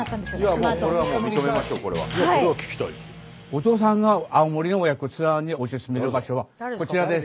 お父さんが青森の親子ツアーにおすすめの場所はこちらです。